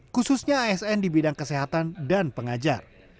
khususnya asn di bidang kesehatan dan pengajar